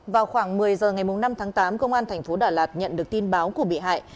vào khoảng một mươi h ngày năm tháng tám công an tp hcm nhận được tin báo của bị hại